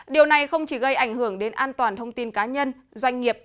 điều này không chỉ gây ảnh hưởng đến an toàn thông tin cá nhân doanh nghiệp